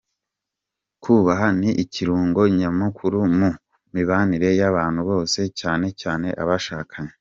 Kubaha ni ikirungo nyamukuru mu mibanire y’abantu bose cyane cyane abashakanye.